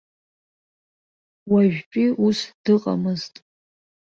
Уажәтәи ус дыҟамызт.